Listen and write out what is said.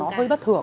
nó hơi bất thường